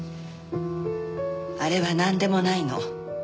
あれはなんでもないの。